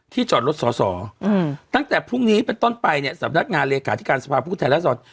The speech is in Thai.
ที่จอดรถสอสออืมตั้งแต่พรุ่งนี้เป็นต้นไปเนี้ยสำนักงานเหลกขาดที่การสภาพุทธแทนลักษณ์